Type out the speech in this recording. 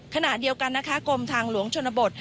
ขณะเดียวกันนะคะกรมทางหลวงชนบท